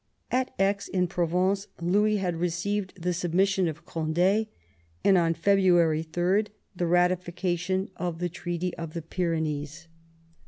At Aix in Provence Louis had received the submission of Cond^, and on Eebruary 3 the ratification of the Treaty of the Pyrenees.